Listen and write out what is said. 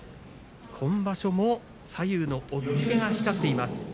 今場所も左右の押っつけが光っています。